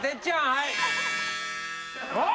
はい。